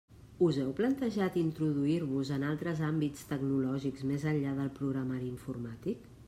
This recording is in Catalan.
Us heu plantejat introduir-vos en altres àmbits tecnològics més enllà del programari informàtic?